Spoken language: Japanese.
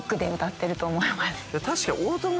確かに。